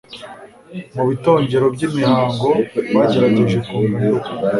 Mu bitongero by'imihango bagerageje kunga Nduga